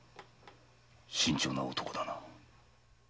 慎重な男だな。